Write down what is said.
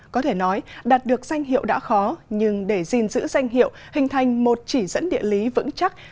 có thể nói đạt được danh hiệu đã khó nhưng để gìn giữ danh hiệu hình thành một chỉ dẫn địa lý vững chắc